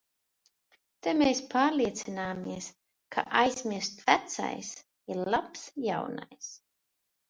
Te mēs pārliecināmies, ka aizmirsts vecais ir labs jaunais.